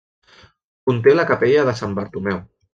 Conté la capella de Sant Bartomeu.